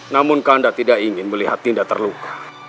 namun kak kandas tidak ingin melihat dinda terluka